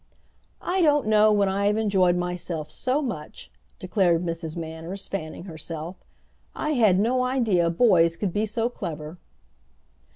"I don't know when I have enjoyed myself so much," declared Mrs. Manners, fanning herself. "I had no idea boys could be so clever."